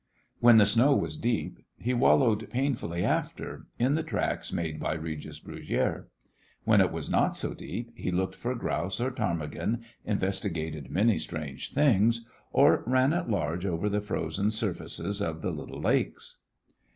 When the snow was deep, he wallowed painfully after in the tracks made by Regis Brugiere. When it was not so deep, he looked for grouse or ptarmigan, investigated many strange things, or ran at large over the frozen surfaces of the little lakes.